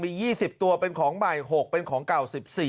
มี๒๐ตัวเป็นของใหม่๖เป็นของเก่า๑๔